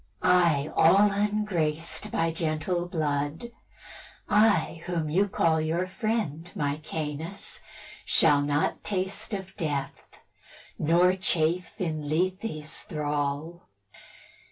I, all ungraced By gentle blood, I, whom you call Your friend, Maecenas, shall not taste Of death, nor chafe in Lethe's thrall.